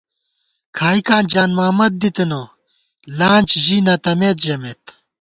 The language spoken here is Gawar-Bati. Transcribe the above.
کھائیکاں جان محمد دِتنہ لانچ ژی نہ تَمېت ژَمېت